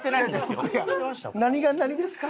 何が何ですか？